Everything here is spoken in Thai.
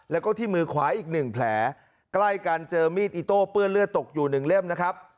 แล้วก็ที่มือขวาอีกหนึ่งแผลใกล้กันเจอมีดอิโต้เปื้อนเลือดตกอยู่หนึ่งเล่มนะครับ